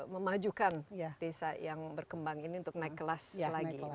memajukan desa yang berkembang ini untuk naik kelas lagi